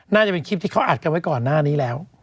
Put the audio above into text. น่าจะเป็นคลิปที่เขาอัดกันไว้ก่อนหน้านี้แล้ว